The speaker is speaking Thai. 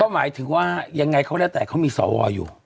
หมายถึงว่ายังไงก็แล้วแต่เขามีสวอยู่